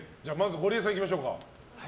ゴリエさんいきましょうか。